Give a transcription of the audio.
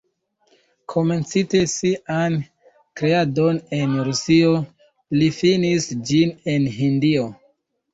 Komencinte sian kreadon en Rusio, li finis ĝin en Hindio.